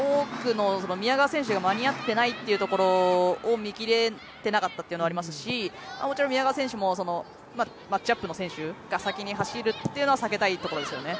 宮川選手が間に合っていないというところを見きれていなかったというところがありますしもちろん、宮川選手のマッチアップの選手が先に走るというのは避けたいところですよね。